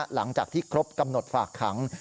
หลังจากที่ครบกำหนดฝากขัง